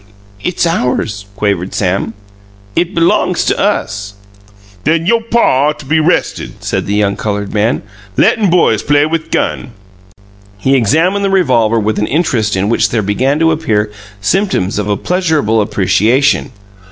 "It's ours," quavered Sam. "It belongs to us." "Then you' pa ought to be 'rested," said the young coloured man. "Lettin' boys play with gun!" He examined the revolver with an interest in which there began to appear symptoms of a pleasurable appreciation.